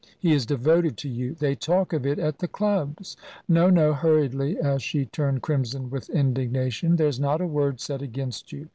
"He is devoted to you; they talk of it at the clubs. No, no," hurriedly, as she turned crimson with indignation; "there's not a word said against you.